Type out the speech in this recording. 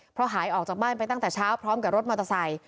เพราะหายออกจากบ้านไปตั้งแต่เช้าพร้อมกับรถมอเตอร์ไซค